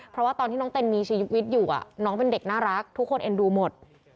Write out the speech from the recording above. เพราะว่าตอนที่น้องเต้นมีชีวิตวิทย์อยู่น้องเป็นเด็กน่ารักทุกคนเอ็นดูหมด